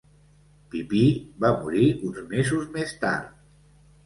Pipí va morir uns mesos més tard.